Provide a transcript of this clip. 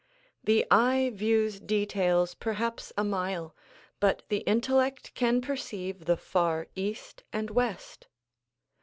The eye views details perhaps a mile but the intellect can perceive the far east and west.